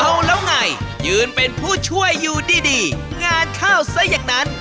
เอาแล้วไงยืนเป็นผู้ช่วยอยู่ดีงานเข้าซะอย่างนั้น